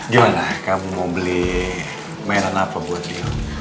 gimana kamu mau beli mainan apa buat rio